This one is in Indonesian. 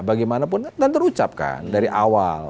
bagaimanapun kan terucapkan dari awal